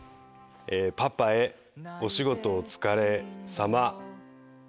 「パパへお仕事お疲れさま。